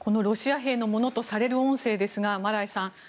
ロシア兵のものとされる音声ですが、マライさん